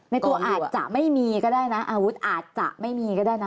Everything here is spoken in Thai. ในตัวอาจจะไม่มีก็ได้นะอาวุธอาจจะไม่มีก็ได้นะ